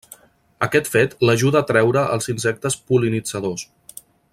Aquest fet l'ajuda a atreure els insectes pol·linitzadors.